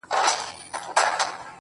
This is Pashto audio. • ته لږه ایسته سه چي ما وویني.